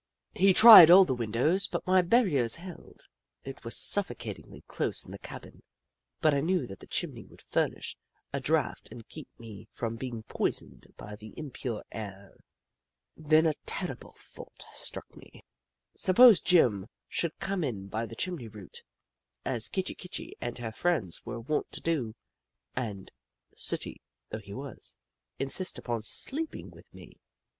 He tried all the windows, but my barriers held. It was suffocatingly close in the cabin, but I knew that the chimney would furnish a draft and keep me from being poisoned by the impure air. Then a terrible thought struck me — suppose Jim should come in by the chimney route, as Kitchi Kitchi and her friends were wont to do, and, sooty though he was, insist upon sleeping with me